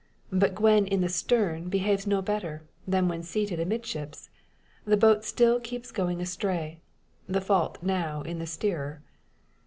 But Gwen in the stern behaves no better, than when seated amidships. The boat still keeps going astray, the fault now in the steerer.